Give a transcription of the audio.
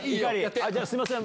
じゃあすいません